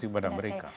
ke badan mereka